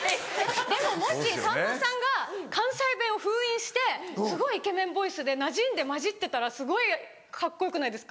でももしさんまさんが関西弁を封印してすごいイケメンボイスでなじんで交じってたらすごいカッコよくないですか？